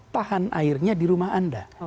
tahan airnya di rumah anda